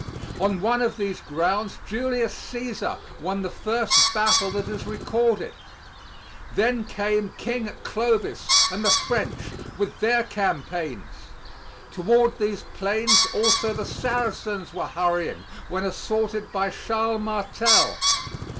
On one of these grounds Julius Cæsar won the first battle that is recorded. Then came King Clovis and the French, with their campaigns; toward these plains also the Saracens were hurrying when assaulted by Charles Martel.